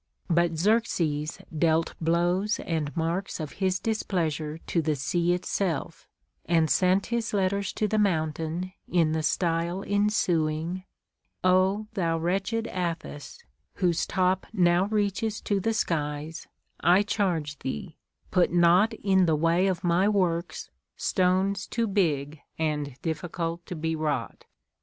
t But Xerxes dealt blows and marks of his displeasure to the sea itself, and sent his letters to the mountain in the style ensuing :" Ο thou wretched Athos, whose top now reaches to the skies, I charge thee, put not in the way of my Λvorks stones too big and difficult to be wrought.